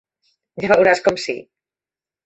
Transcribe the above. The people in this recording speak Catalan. Ja veuràs com sí!